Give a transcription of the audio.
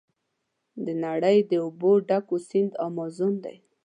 د نړۍ د اوبو ډک سیند امازون دی.